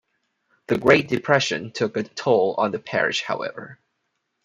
The Great Depression took a toll on the parish, however.